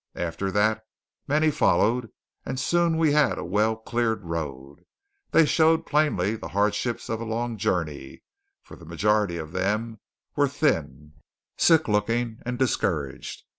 After that many followed, and soon we had a well cleared road. They showed plainly the hardships of a long journey, for the majority of them were thin, sick looking and discouraged.